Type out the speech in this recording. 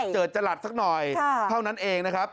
เจอจรัสสักหน่อยเท่านั้นเองนะครับ